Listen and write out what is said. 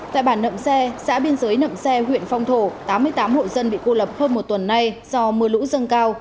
tại bản nậm xe xã biên giới nậm xe huyện phong thổ tám mươi tám hộ dân bị cô lập hơn một tuần nay do mưa lũ dâng cao